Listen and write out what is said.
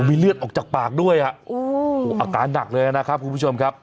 มีเลือดออกจากปากด้วยอ่ะโอ้โหอาการหนักเลยนะครับคุณผู้ชมครับ